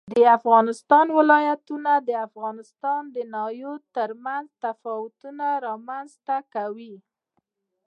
د افغانستان ولايتونه د افغانستان د ناحیو ترمنځ تفاوتونه رامنځ ته کوي.